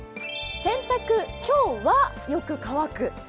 洗濯今日はよく乾く。